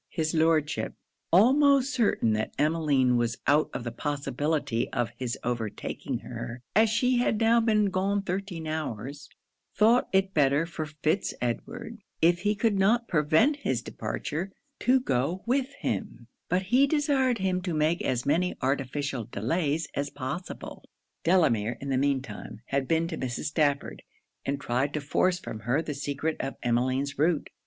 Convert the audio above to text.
His Lordship, almost certain that Emmeline was out of the possibility of his overtaking her, as she had now been gone thirteen hours, thought it better for Fitz Edward, if he could not prevent his departure, to go with him: but he desired him to make as many artificial delays as possible. Delamere, in the mean time, had been to Mrs. Stafford, and tried to force from her the secret of Emmeline's route.